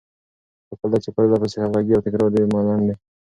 خو کله چې پرلهپسې، همغږې او تکراري ملنډې،